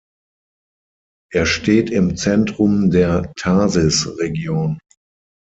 Er steht im Zentrum der Tharsis-Region.